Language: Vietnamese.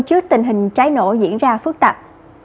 trước tình hình trái nổ diễn ra phức tạp